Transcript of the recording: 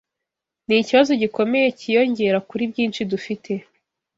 Ni ikibazo gikomeye cyiyongera kuri byinshi dufite.”